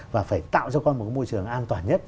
và phải tạo cho con một môi trường an toàn nhất